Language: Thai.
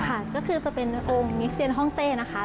ค่ะก็คือจะเป็นองค์มิกเซียนฮ่องเต้นะคะ